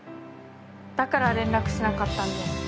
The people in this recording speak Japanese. だから連絡しなかったんです。